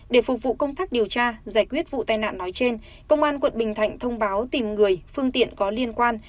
để phục vụ công tác điều tra giải quyết vụ tai nạn nói trên công an quận bình thạnh thông báo tìm người phương tiện có liên quan